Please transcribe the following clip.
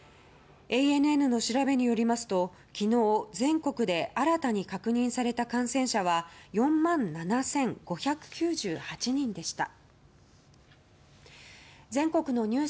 ＡＮＮの調べによりますと昨日、全国で新たに確認された感染者は４万７５９８人でした。